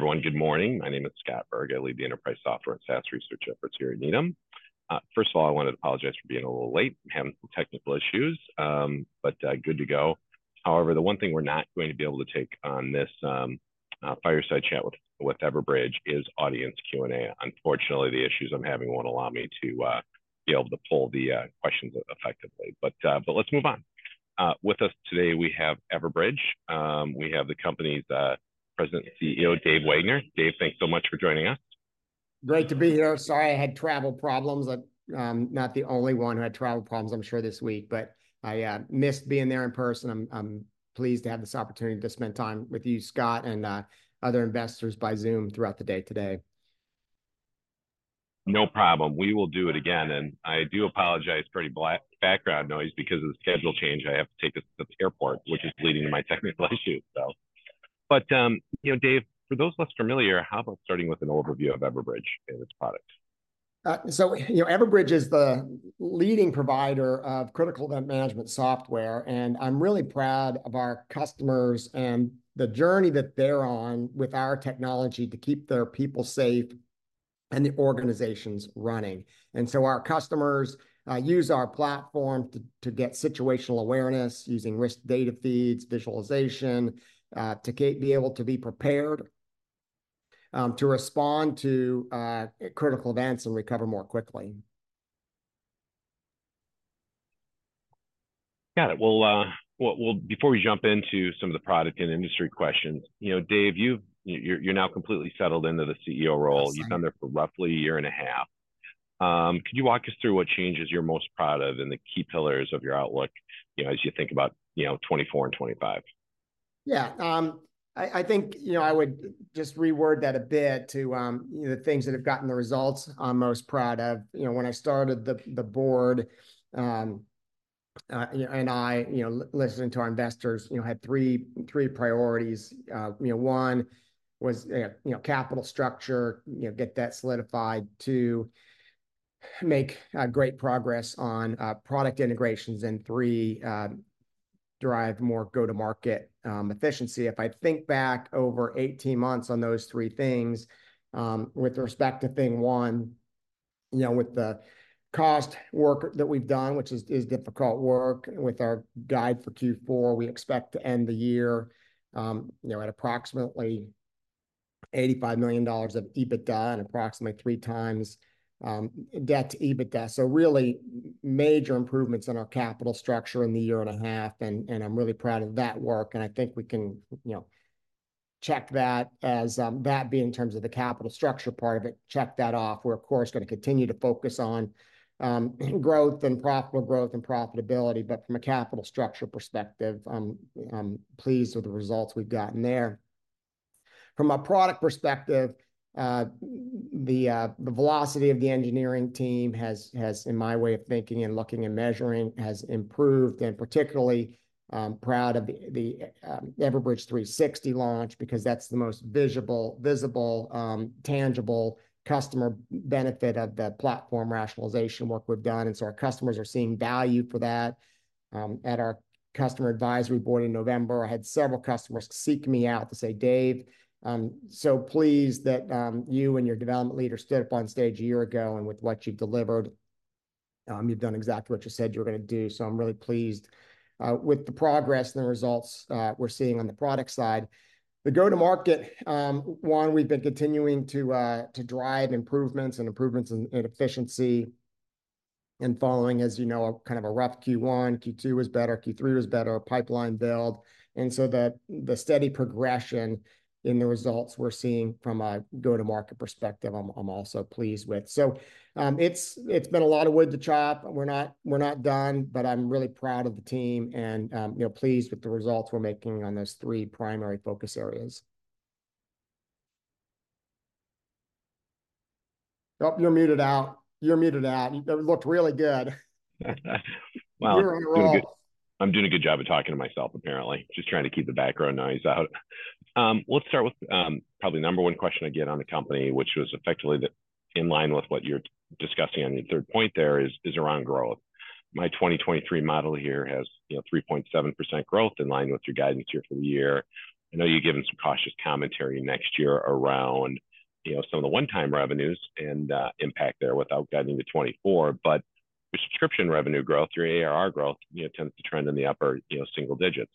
Everyone, good morning. My name is Scott Berg. I lead the enterprise software and SaaS research efforts here at Needham. First of all, I wanted to apologize for being a little late. I'm having some technical issues, but good to go. However, the one thing we're not going to be able to take on this fireside chat with Everbridge is audience Q&A. Unfortunately, the issues I'm having won't allow me to be able to pull the questions effectively, but let's move on. With us today, we have Everbridge. We have the company's President and CEO, Dave Wagner. Dave, thanks so much for joining us. Great to be here. Sorry I had travel problems. I'm not the only one who had travel problems, I'm sure, this week, but I missed being there in person. I'm pleased to have this opportunity to spend time with you, Scott, and other Investors by Zoom throughout the day today. No problem. We will do it again, and I do apologize for any background noise. Because of the schedule change, I have to take the airport, which is leading to my technical issues, so... But, you know, Dave, for those less familiar, how about starting with an overview of Everbridge and its product? So, you know, Everbridge is the leading provider of critical event management software, and I'm really proud of our customers and the journey that they're on with our technology to keep their people safe and the organizations running. And so our customers use our platform to get situational awareness using risk data feeds, visualization, to be able to be prepared, to respond to critical events and recover more quickly. Got it. Well, before we jump into some of the product and industry questions, you know, Dave, you're now completely settled into the CEO role. That's right. You've been there for roughly a year and a half. Could you walk us through what changes you're most proud of and the key pillars of your outlook, you know, as you think about, you know, 2024 and 2025? Yeah. I think, you know, I would just reword that a bit to, you know, the things that have gotten the results I'm most proud of. You know, when I started, the board, you know, and I, you know, listening to our investors, you know, had three priorities. You know, one was, you know, capital structure. You know, get that solidified. Two, make great progress on product integrations. And three, drive more go-to-market efficiency. If I think back over 18 months on those three things, with respect to thing one, you know, with the cost work that we've done, which is difficult work, with our guide for Q4, we expect to end the year, you know, at approximately $85 million of EBITDA and approximately 3x debt to EBITDA. Really major improvements in our capital structure in the year and a half, and I'm really proud of that work, and I think we can, you know, check that as that being in terms of the capital structure part of it, check that off. We're of course gonna continue to focus on growth and profitable growth and profitability, but from a capital structure perspective, I'm pleased with the results we've gotten there. From a product perspective, the velocity of the engineering team has, in my way of thinking and looking and measuring, has improved, and particularly, I'm proud of the Everbridge 360 launch, because that's the most visible tangible customer benefit of the platform rationalization work we've done, and so our customers are seeing value for that. At our Customer Advisory Board in November, I had several customers seek me out to say, "Dave, I'm so pleased that you and your development leader stood up on stage a year ago, and with what you've delivered. You've done exactly what you said you were gonna do." So I'm really pleased with the progress and the results we're seeing on the product side. The go-to-market one, we've been continuing to drive improvements and improvements in efficiency, and following, as you know, a kind of a rough Q1. Q2 was better, Q3 was better, our pipeline build. And so the steady progression in the results we're seeing from a go-to-market perspective, I'm also pleased with. So, it's been a lot of wood to chop. We're not, we're not done, but I'm really proud of the team and, you know, pleased with the results we're making on those three primary focus areas. Oh, you're muted out. You're muted out. It looked really good. Well- You're on a roll. I'm doing a good job of talking to myself, apparently. Just trying to keep the background noise out. Let's start with, probably the number one question I get on the company, which was effectively the, in line with what you're discussing on your third point there is around growth. My 2023 model here has, you know, 3.7% growth in line with your guidance for the year. I know you've given some cautious commentary next year around, you know, some of the one-time revenues and impact there without guiding to 2024. But subscription revenue growth, your ARR growth, you know, tends to trend in the upper, you know, single digits.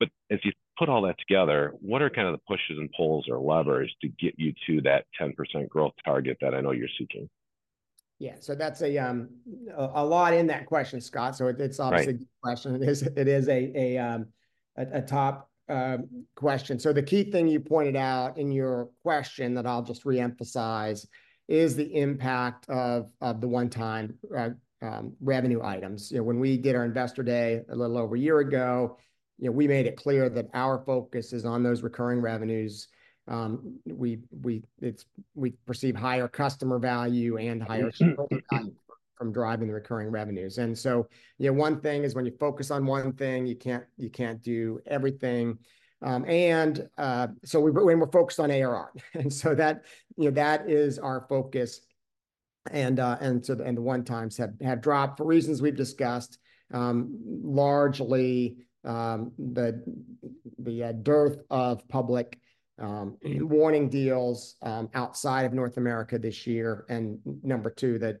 But as you put all that together, what are kind of the pushes and pulls or levers to get you to that 10% growth target that I know you're seeking? Yeah, so that's a lot in that question, Scott. Right. So it's obviously a good question. It is a top question. So the key thing you pointed out in your question that I'll just re-emphasize, is the impact of the one-time revenue items. You know, when we did our Investor Day a little over a year ago, you know, we made it clear that our focus is on those recurring revenues. We perceive higher customer value and higher- Mm-hmm... from driving the recurring revenues. And so, you know, one thing is, when you focus on one thing, you can't, you can't do everything. And so we, we're focused on ARR. And so that, you know, that is our focus.... and so, and the one-times have dropped for reasons we've discussed. Largely, the dearth of public warning deals outside of North America this year, and number two, that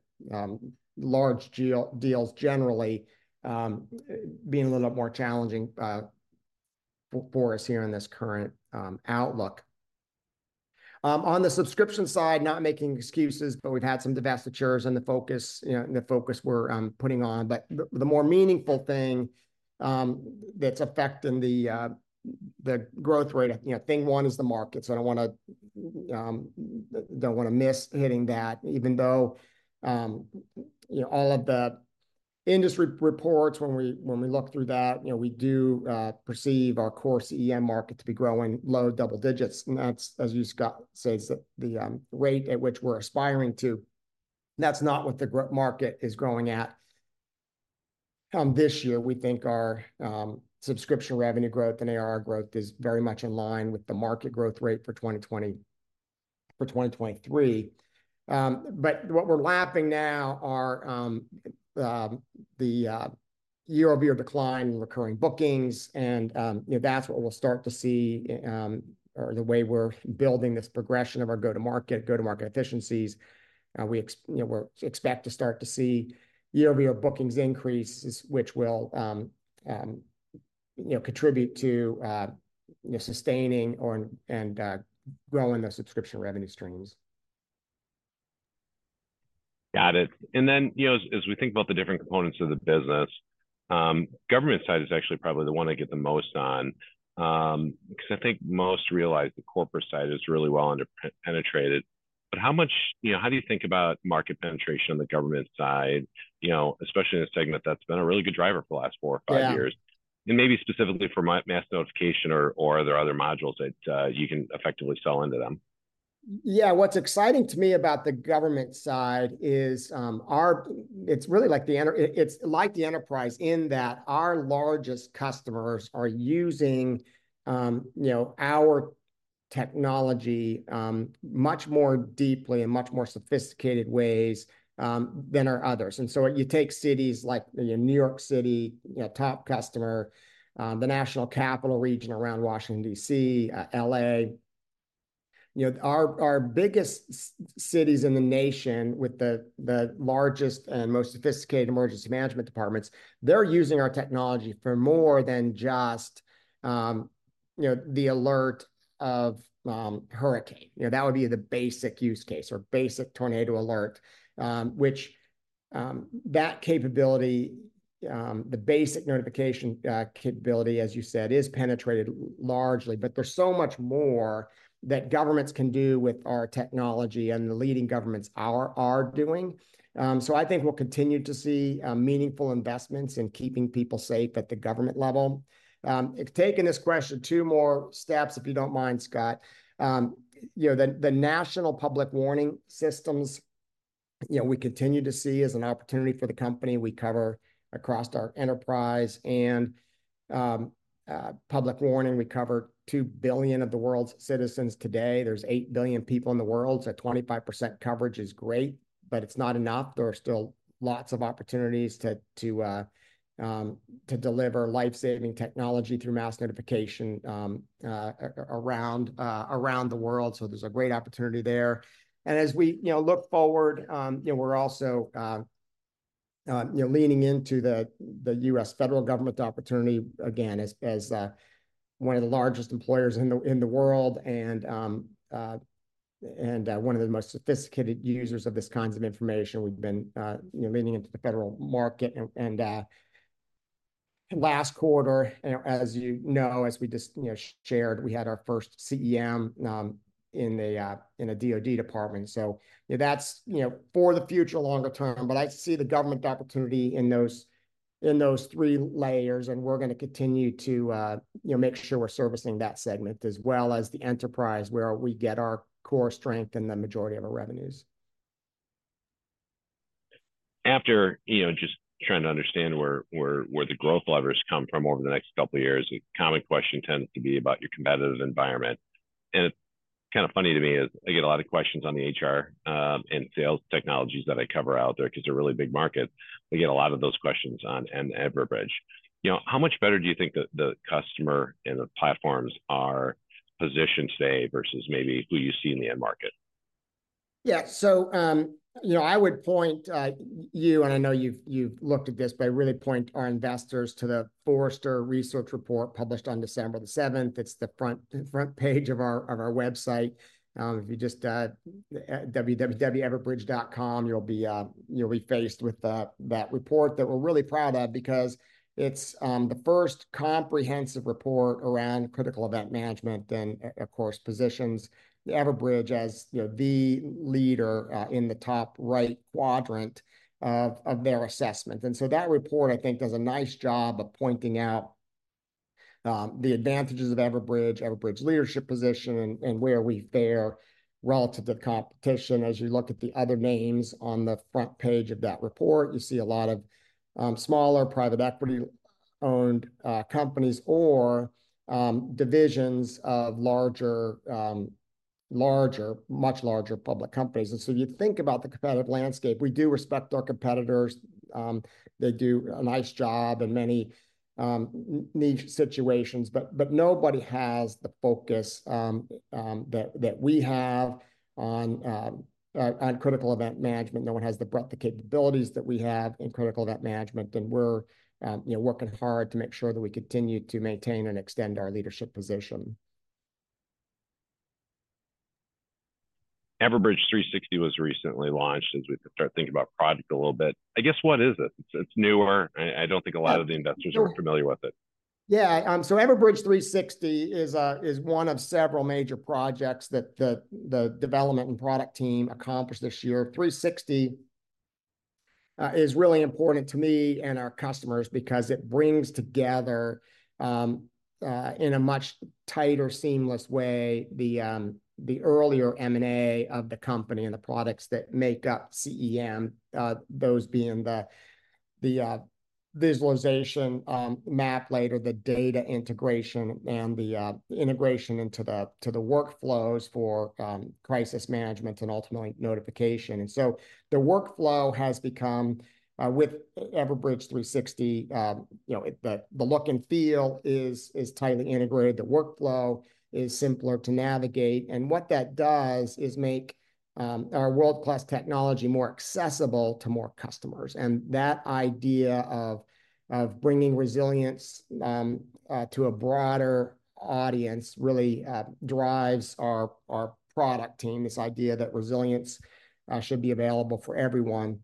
large deals generally being a little bit more challenging for us here in this current outlook. On the subscription side, not making excuses, but we've had some divestitures and the focus, you know, the focus we're putting on. But the more meaningful thing that's affecting the growth rate, you know, thing one is the markets. I don't wanna miss hitting that, even though you know, all of the industry reports when we look through that, you know, we do perceive our core CEM market to be growing low double digits, and that's, as you, Scott, says, the rate at which we're aspiring to. That's not what the market is growing at. This year, we think our subscription revenue growth and ARR growth is very much in line with the market growth rate for 2023. But what we're lapping now are the year-over-year decline in recurring bookings, and you know, that's what we'll start to see, or the way we're building this progression of our go-to-market efficiencies. We, you know, we're expect to start to see year-over-year bookings increases, which will, you know, contribute to, you know, sustaining or, and, growing the subscription revenue streams. Got it. And then, you know, as we think about the different components of the business, government side is actually probably the one I get the most on, 'cause I think most realize the corporate side is really well underpenetrated. But how much... You know, how do you think about market penetration on the government side, you know, especially in a segment that's been a really good driver for the last four or five years- Yeah... And maybe specifically for Mass Notification or, or are there other modules that you can effectively sell into them? Yeah, what's exciting to me about the government side is, it's really like the enterprise in that our largest customers are using, you know, our technology, much more deeply and much more sophisticated ways, than our others. And so you take cities like, you know, New York City, you know, top customer, the National Capital Region around Washington, D.C., L.A. You know, our biggest cities in the nation with the largest and most sophisticated emergency management departments, they're using our technology for more than just, you know, the alert of hurricane. You know, that would be the basic use case or basic tornado alert, which that capability, the basic notification capability, as you said, is penetrated largely. But there's so much more that governments can do with our technology and the leading governments are doing. So I think we'll continue to see meaningful investments in keeping people safe at the government level. Taking this question two more steps, if you don't mind, Scott. You know, the national public warning systems, you know, we continue to see as an opportunity for the company. We cover across our enterprise and public warning, we cover 2 billion of the world's citizens today. There's 8 billion people in the world, so 25% coverage is great, but it's not enough. There are still lots of opportunities to deliver life-saving technology through mass notification around the world, so there's a great opportunity there. As we, you know, look forward, you know, we're also, you know, leaning into the U.S. federal government opportunity again as, as, one of the largest employers in the world and, and, one of the most sophisticated users of these kinds of information. We've been, you know, leaning into the federal market and, last quarter, you know, as you know, as we just, you know, shared, we had our first CEM in a DoD department. So, you know, that's, you know, for the future longer term, but I see the government opportunity in those three layers, and we're gonna continue to, you know, make sure we're servicing that segment, as well as the enterprise, where we get our core strength and the majority of our revenues. After, you know, just trying to understand where the growth levers come from over the next couple of years, a common question tends to be about your competitive environment, and it's kind of funny to me is I get a lot of questions on the HR and sales technologies that I cover out there, 'cause they're a really big market. I get a lot of those questions on Everbridge. You know, how much better do you think the customer and the platforms are positioned today versus maybe who you see in the end market? Yeah. So, you know, I would point you, and I know you've looked at this, but I really point our Investors to the Forrester Research report published on December 7. It's the front page of our website. If you just at www.everbridge.com, you'll be faced with that report that we're really proud of because it's the first comprehensive report around critical event management, and of course, positions Everbridge as, you know, the leader in the top right quadrant of their assessment. And so that report, I think, does a nice job of pointing out the advantages of Everbridge leadership position, and where we fare relative to competition. As you look at the other names on the front page of that report, you see a lot of smaller private equity owned companies or divisions of larger, much larger public companies. And so you think about the competitive landscape, we do respect our competitors. They do a nice job in many niche situations, but nobody has the focus that we have on critical event management. No one has the breadth and capabilities that we have in critical event management, and we're, you know, working hard to make sure that we continue to maintain and extend our leadership position. Everbridge 360 was recently launched, as we start thinking about product a little bit. I guess, what is it? It's newer. I don't think a lot of the investors are familiar with it. Yeah, so Everbridge 360 is one of several major projects that the development and product team accomplished this year. 360 is really important to me and our customers because it brings together in a much tighter, seamless way the earlier M&A of the company and the products that make up CEM. Those being the visualization map layer, the data integration, and the integration into the workflows for crisis management and ultimately notification. And so the workflow has become with Everbridge 360, you know, the look and feel is tightly integrated. The workflow is simpler to navigate, and what that does is make our world-class technology more accessible to more customers. And that idea of bringing resilience to a broader audience really drives our product team, this idea that resilience should be available for everyone.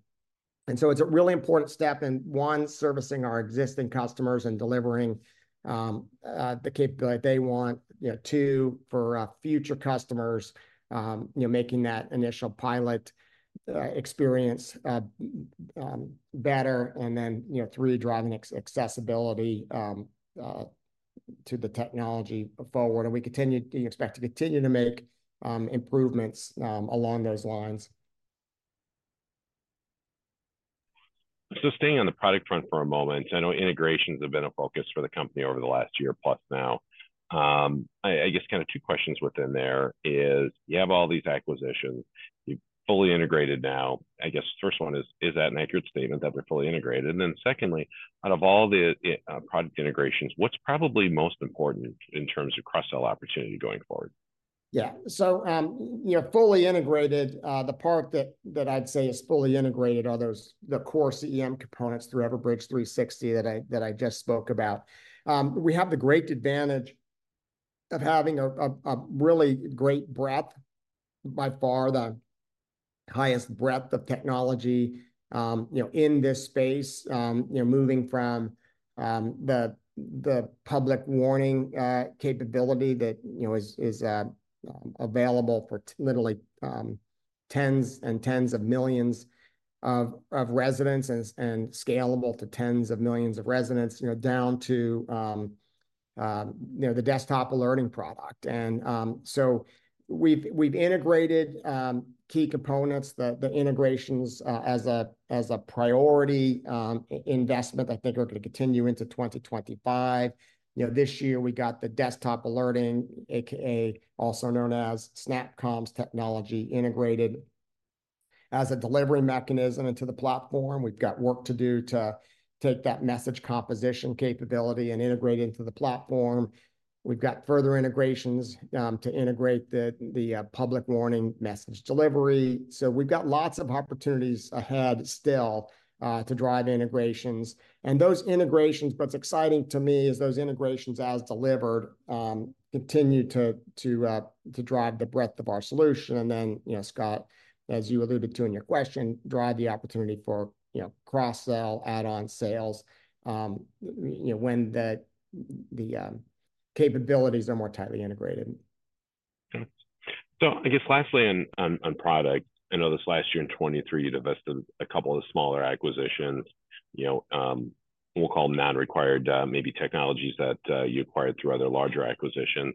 And so it's a really important step in, one, servicing our existing customers and delivering the capability they want. You know, two, for future customers, you know, making that initial pilot experience better. And then, you know, three, driving accessibility to the technology forward, and we expect to continue to make improvements along those lines. So staying on the product front for a moment, I know integrations have been a focus for the company over the last year-plus now. I guess kind of two questions within there is, you have all these acquisitions, you've fully integrated now. I guess, first one is, is that an accurate statement, that we're fully integrated? And then secondly, out of all the product integrations, what's probably most important in terms of cross-sell opportunity going forward? Yeah. So, you know, fully integrated, the part that I'd say is fully integrated are those, the core CEM components through Everbridge 360 that I just spoke about. We have the great advantage of having a really great breadth, by far the highest breadth of technology, you know, in this space. You know, moving from the public warning capability that, you know, is available for literally tens and tens of millions of residents and scalable to tens of millions of residents, you know, down to the desktop alerting product. So we've integrated key components, the integrations as a priority investment I think are gonna continue into 2025. You know, this year we got the desktop alerting, AKA, also known as SnapComms's technology, integrated as a delivery mechanism into the platform. We've got work to do to take that message composition capability and integrate into the platform. We've got further integrations to integrate the public warning message delivery. So we've got lots of opportunities ahead still to drive integrations. And those integrations, what's exciting to me is those integrations as delivered continue to drive the breadth of our solution. And then, you know, Scott, as you alluded to in your question, drive the opportunity for, you know, cross-sell, add-on sales, you know, when the capabilities are more tightly integrated. So I guess lastly on product, I know this last year in 2023, you divested a couple of smaller acquisitions. You know, we'll call them non-required, maybe technologies that you acquired through other larger acquisitions.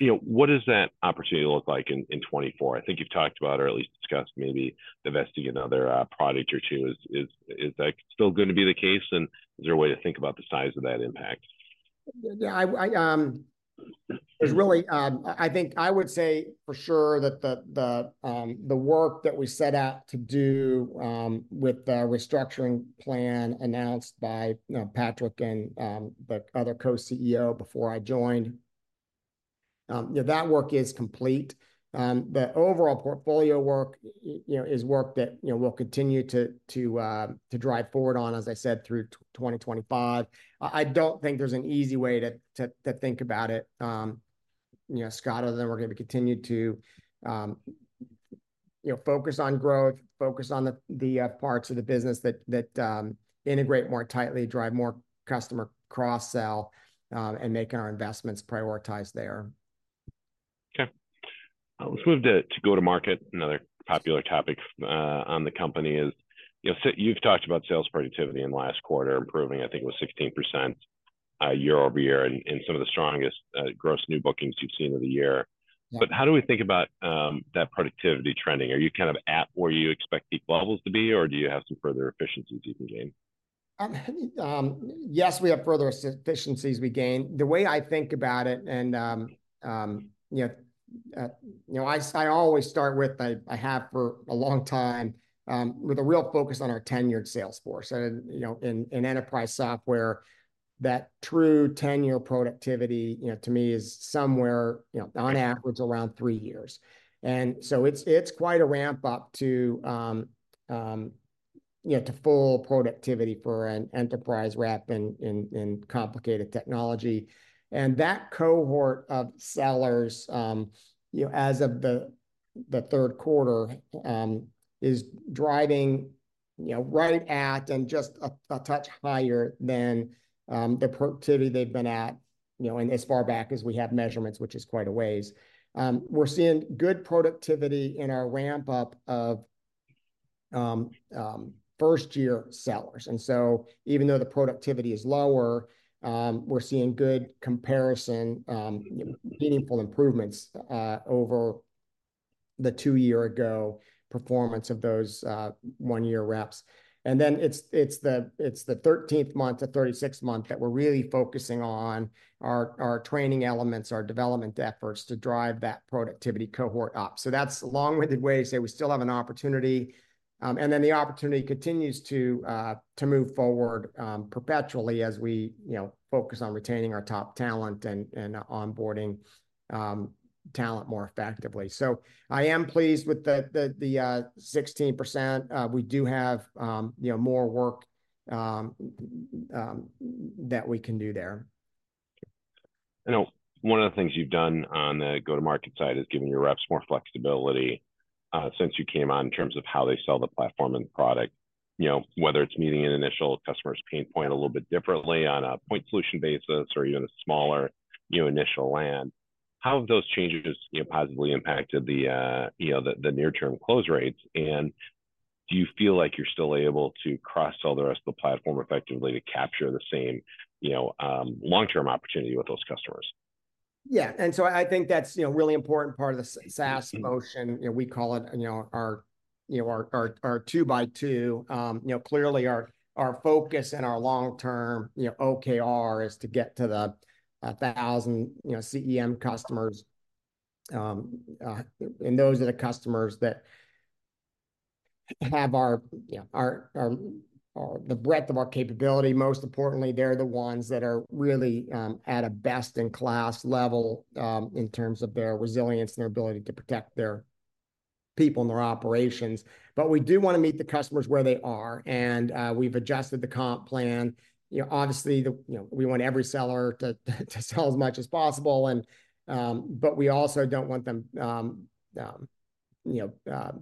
You know, what does that opportunity look like in 2024? I think you've talked about or at least discussed maybe divesting another product or two. Is that still gonna be the case, and is there a way to think about the size of that impact? Yeah, there's really... I think I would say for sure that the work that we set out to do with the restructuring plan announced by, you know, Patrick and the other Co-CEO before I joined, you know, that work is complete. The overall portfolio work, you know, is work that, you know, we'll continue to drive forward on, as I said, through 2025. I don't think there's an easy way to think about it, you know, Scott, other than we're gonna continue to focus on growth, focus on the parts of the business that integrate more tightly, drive more customer cross-sell, and make our investments prioritize there. Okay. Let's move to go-to-market. Another popular topic on the company is, you know, so you've talked about sales productivity in the last quarter, improving, I think it was 16% year-over-year and some of the strongest gross new bookings you've seen in the year. Yeah. But how do we think about that productivity trending? Are you kind of at where you expect deep levels to be, or do you have some further efficiencies you can gain? Yes, we have further efficiencies we gain. The way I think about it, and, you know, I always start with, I have for a long time, with a real focus on our tenured sales force. And, you know, in enterprise software, that true tenure productivity, you know, to me is somewhere, you know, on average, around three years. And so it's quite a ramp-up to full productivity for an enterprise rep in complicated technology. And that cohort of sellers, you know, as of the third quarter, is driving right at and just a touch higher than the productivity they've been at, you know, and as far back as we have measurements, which is quite a ways. We're seeing good productivity in our ramp-up of first-year sellers. And so even though the productivity is lower, we're seeing good comparison, meaningful improvements over the two-year ago performance of those one-year reps. And then it's the 13th month to 36th month that we're really focusing on our training elements, our development efforts to drive that productivity cohort up. So that's a long-winded way to say we still have an opportunity, and then the opportunity continues to move forward perpetually as we, you know, focus on retaining our top talent and onboarding talent more effectively. So I am pleased with the 16%. We do have, you know, more work that we can do there. I know one of the things you've done on the go-to-market side is giving your reps more flexibility, since you came on, in terms of how they sell the platform and the product. You know, whether it's meeting an initial customer's pain point a little bit differently on a point solution basis or even a smaller, you know, initial land. How have those changes, you know, positively impacted the, you know, the, the near-term close rates, and do you feel like you're still able to cross-sell the rest of the platform effectively to capture the same, you know, long-term opportunity with those customers? Yeah. And so I think that's, you know, a really important part of the SaaS motion. You know, we call it, you know, our two by two. You know, clearly, our focus and our long-term, you know, OKR is to get to the 1,000 CEM customers. And those are the customers that have our, you know, the breadth of our capability. Most importantly, they're the ones that are really at a best-in-class level in terms of their resilience and their ability to protect their people and their operations. But we do wanna meet the customers where they are, and we've adjusted the comp plan. You know, obviously, the... You know, we want every seller to sell as much as possible, and, but we also don't want them, you know,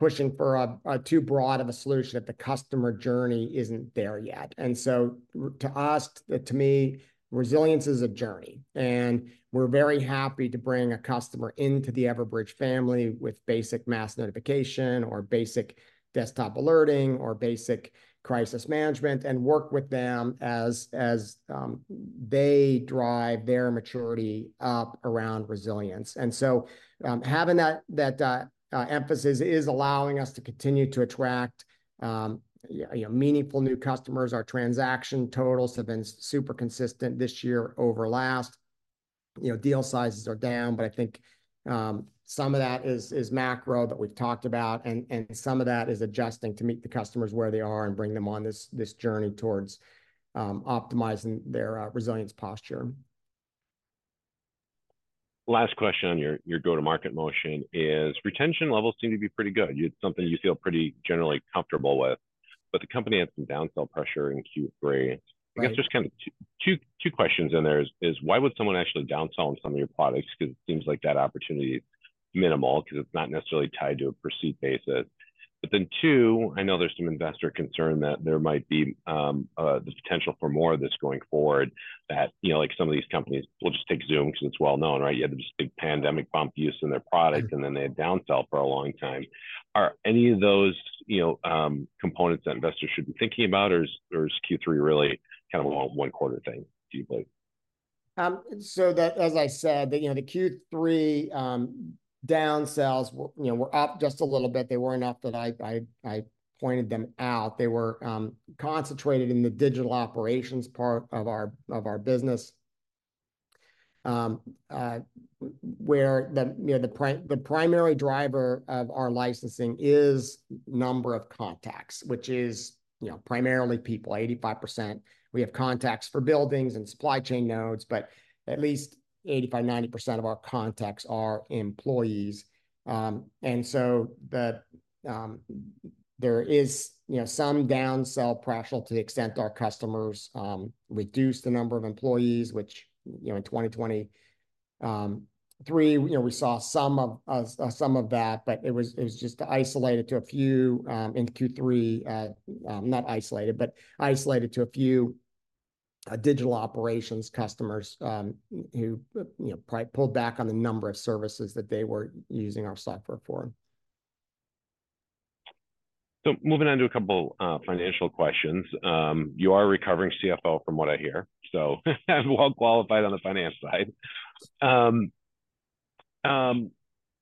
pushing for a too broad of a solution if the customer journey isn't there yet. And so to us, to me, resilience is a journey, and we're very happy to bring a customer into the Everbridge family with basic mass notification or basic desktop alerting or basic crisis management, and work with them as they drive their maturity up around resilience. And so having that emphasis is allowing us to continue to attract, you know, meaningful new customers. Our transaction totals have been super consistent this year over last. You know, deal sizes are down, but I think some of that is macro that we've talked about, and some of that is adjusting to meet the customers where they are and bring them on this journey toward optimizing their resilience posture. Last question on your go-to-market motion: retention levels seem to be pretty good. It's something you feel pretty generally comfortable with, but the company had some downsell pressure in Q3. Right. I guess there's kind of two questions in there is: Why would someone actually downsell on some of your products? Because it seems like that opportunity is minimal 'cause it's not necessarily tied to a per-seat basis. But then, two, I know there's some investor concern that there might be the potential for more of this going forward, that, you know, like some of these companies, we'll just take Zoom 'cause it's well-known, right? You had this big pandemic bump use in their product- Mm... and then they had downsell for a long time. Are any of those, you know, components that investors should be thinking about, or is Q3 really kind of a one-quarter thing, do you believe? So that, as I said, the Q3 downsells, you know, were up just a little bit. They weren't enough that I pointed them out. They were concentrated in the Digital Operations part of our business, where the primary driver of our licensing is number of contacts, which is, you know, primarily people, 85%. We have contacts for buildings and supply chain nodes, but at least 85%-90% of our contacts are employees. And so there is, you know, some downsell pressure to the extent our customers reduce the number of employees, which, you know, in 2023, you know, we saw some of that, but it was just isolated to a few in Q3, not isolated, but isolated to a few Digital Operations customers, who, you know, pulled back on the number of services that they were using our software for.... So moving on to a couple financial questions. You are a recovering CFO from what I hear, so well qualified on the finance side.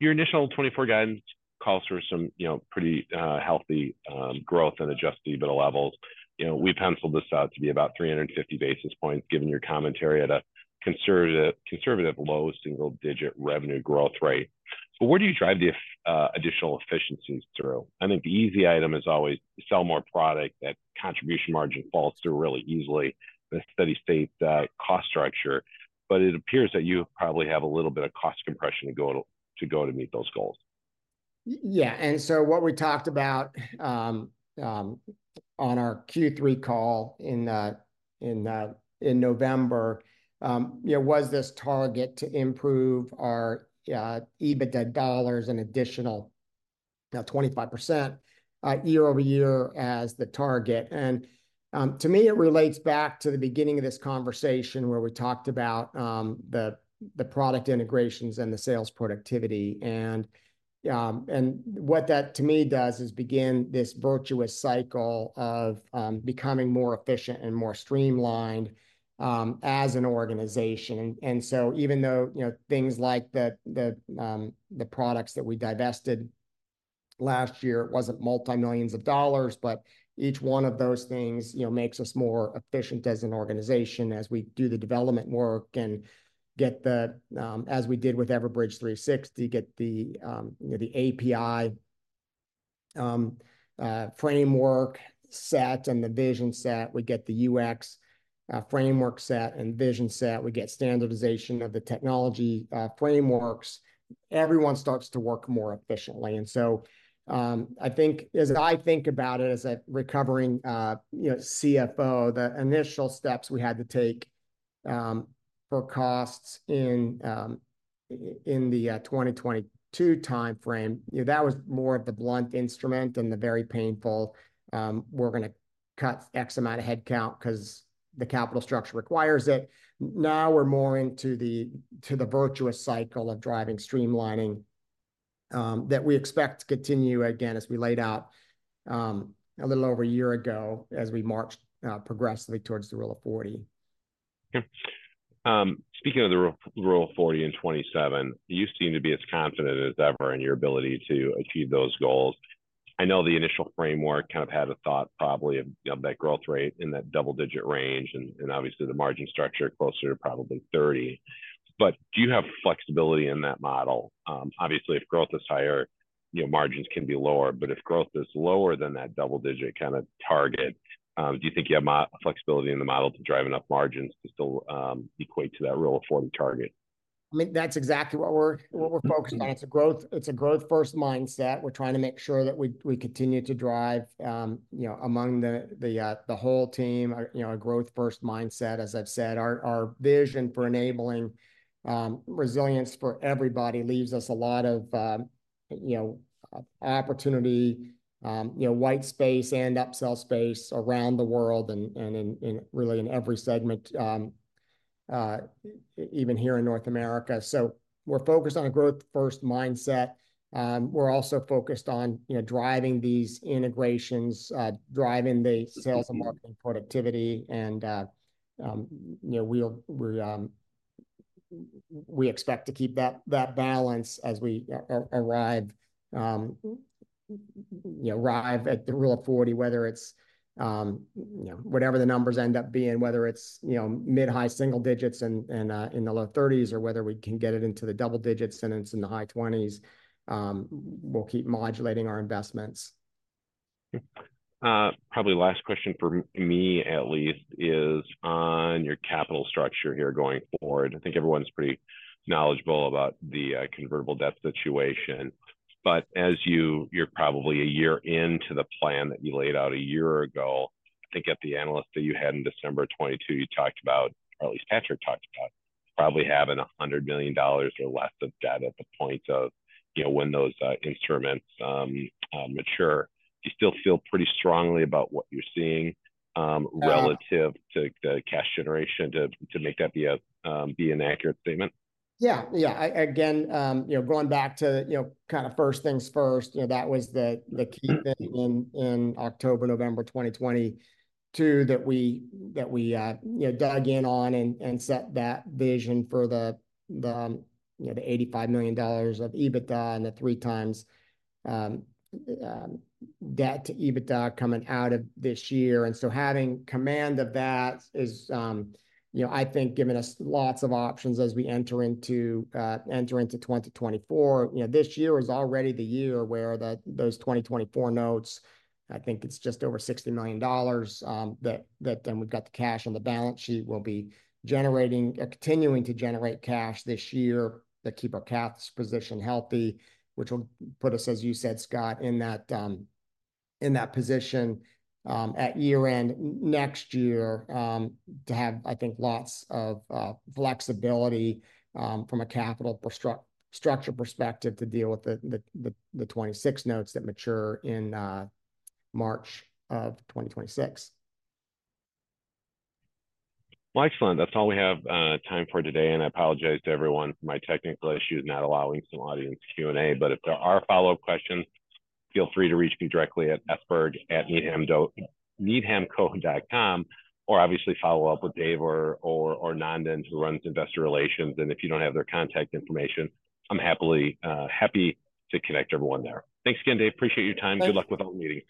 Your initial 2024 guidance calls for some, you know, pretty healthy growth and adjusted EBITDA levels. You know, we penciled this out to be about 350 basis points, given your commentary at a conservative, conservative low single-digit revenue growth rate. So where do you drive the additional efficiencies through? I mean, the easy item is always sell more product. That contribution margin falls through really easily, the steady state cost structure. But it appears that you probably have a little bit of cost compression to go to, to go to meet those goals. Yeah, and so what we talked about on our Q3 call in November, you know, was this target to improve our EBITDA dollars an additional 25% year-over-year as the target. And, to me, it relates back to the beginning of this conversation, where we talked about the product integrations and the sales productivity. And, and what that to me does is begin this virtuous cycle of becoming more efficient and more streamlined as an organization. And, and so even though, you know, things like the products that we divested last year wasn't multi-millions of dollars, but each one of those things, you know, makes us more efficient as an organization as we do the development work and get the... As we did with Everbridge 360, get the API framework set and the vision set. We get the UX framework set and vision set. We get standardization of the technology frameworks. Everyone starts to work more efficiently, and so I think, as I think about it, as a recovering CFO, the initial steps we had to take for costs in the 2022 timeframe, you know, that was more of the blunt instrument and the very painful, we're gonna cut X amount of headcount 'cause the capital structure requires it. Now we're more into the virtuous cycle of driving streamlining that we expect to continue, again, as we laid out a little over a year ago, as we marched progressively towards the Rule of 40. Yeah. Speaking of the Rule of 40 and 27, you seem to be as confident as ever in your ability to achieve those goals. I know the initial framework kind of had a thought, probably of, of that growth rate in that double-digit range and, and obviously, the margin structure closer to probably 30%. But do you have flexibility in that model? Obviously, if growth is higher, you know, margins can be lower, but if growth is lower than that double-digit kind of target, do you think you have flexibility in the model to drive enough margins to still equate to that Rule of 40 target? I mean, that's exactly what we're focused on. It's a growth-first mindset. We're trying to make sure that we continue to drive, you know, among the whole team, you know, a growth-first mindset. As I've said, our vision for enabling resilience for everybody leaves us a lot of, you know, opportunity, you know, white space and upsell space around the world and in every segment, even here in North America. So we're focused on a growth-first mindset. We're also focused on, you know, driving these integrations, driving the sales and marketing productivity, and, you know, we'll expect to keep that balance as we arrive at the Rule of 40, whether it's, you know, whatever the numbers end up being, whether it's, you know, mid high single digits and in the low thirties, or whether we can get it into the double digits, and it's in the high twenties. We'll keep modulating our investments. Probably last question from me at least is on your capital structure here going forward. I think everyone's pretty knowledgeable about the convertible debt situation, but as you're probably a year into the plan that you laid out a year ago. I think at the analyst that you had in December 2022, you talked about, or at least Patrick talked about, probably having $100 million or less of debt at the point of, you know, when those instruments mature. Do you still feel pretty strongly about what you're seeing relative- Um... to the cash generation to make that be an accurate statement? Yeah, yeah. Again, you know, going back to, you know, kind of first things first, you know, that was the key thing in October, November 2022, that we, you know, dug in on and set that vision for the, you know, the $85 million of EBITDA and the 3x debt to EBITDA coming out of this year. And so having command of that is, you know, I think giving us lots of options as we enter into 2024. You know, this year is already the year where those 2024 notes, I think it's just over $60 million, that then we've got the cash on the balance sheet will be generating... Continuing to generate cash this year, that keep our cash position healthy, which will put us, as you said, Scott, in that position at year-end next year to have, I think, lots of flexibility from a capital structure perspective to deal with the 2026 notes that mature in March 2026. Well, excellent! That's all we have time for today, and I apologize to everyone for my technical issues, not allowing some audience Q&A, but if there are follow-up questions, feel free to reach me directly at sberg@needhamco.com, or obviously follow up with Dave or Nandan, who runs Investor Relations. If you don't have their contact information, I'm happy to connect everyone there. Thanks again, Dave. Appreciate your time. Thanks. Good luck with all the meetings.